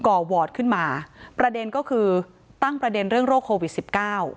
วอร์ดขึ้นมาประเด็นก็คือตั้งประเด็นเรื่องโรคโควิดสิบเก้า